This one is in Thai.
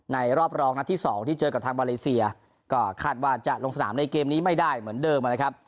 รอบรองนัดที่สองที่เจอกับทางมาเลเซียก็คาดว่าจะลงสนามในเกมนี้ไม่ได้เหมือนเดิมนะครับ